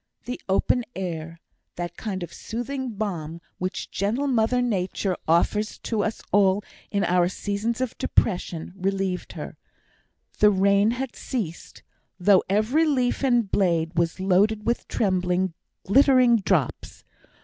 The open air, that kind soothing balm which gentle mother Nature offers to us all in our seasons of depression, relieved her. The rain had ceased, though every leaf and blade was loaded with trembling glittering drops.